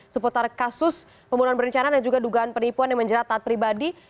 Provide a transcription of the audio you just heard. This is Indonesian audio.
seputar kasus pembunuhan berencana dan juga dugaan penipuan yang menjerat taat pribadi